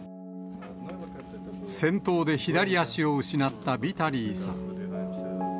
戦闘で左足を失ったビタリーさん。